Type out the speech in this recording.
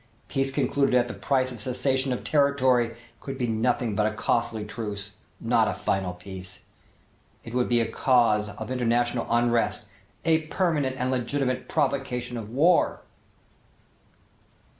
Peace concluded at the price of cession of territory could be nothing but a costly truce, not a final peace. It would be for a cause of international unrest, a permanent and legitimate provocation of war."